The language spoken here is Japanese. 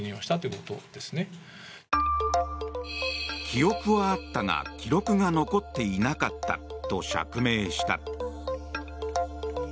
記憶はあったが記録が残っていなかったと釈明した。